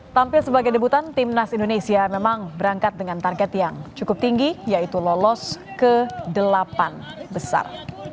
tampil sebagai debutan timnas indonesia memang berangkat dengan target yang cukup tinggi yaitu lolos ke delapan besar